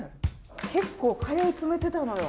結構通い詰めてたのよ。